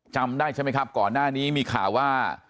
จำได้ใช่ไหมครับก่อนหน้านี้มีข่าวว่า